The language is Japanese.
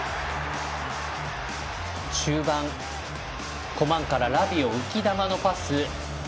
中盤、コマンからラビオ浮き球のパス。